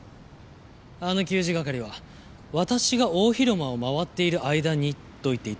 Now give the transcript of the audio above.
あの給仕係は「私が大広間を回っている間に」と言っていた。